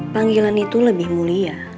panggilan itu lebih mulia